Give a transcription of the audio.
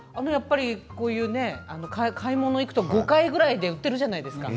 こういう、買い物に行くと５階ぐらいで売っているじゃないですか。